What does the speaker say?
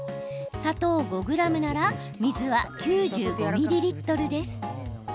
砂糖５ｇなら水は９５ミリリットルです。